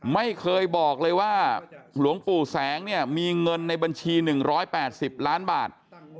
ไม่เคยบอกเลยว่าหลวงปู่แสงเนี่ยมีเงินในบัญชีหนึ่งร้อยแปดสิบล้านบาท